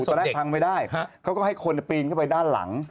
ตอนแรกพังไม่ได้เขาก็ให้คนปีนเข้าไปด้านหลัง